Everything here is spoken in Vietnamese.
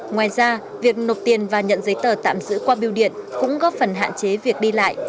ngoài ra việc nộp tiền và nhận giấy tờ tạm giữ qua biêu điện cũng góp phần hạn chế việc đi lại